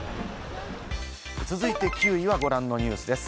続いて９位はご覧のニュースです。